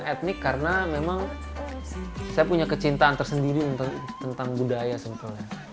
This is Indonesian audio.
etnik karena memang saya punya kecintaan tersendiri tentang budaya sebetulnya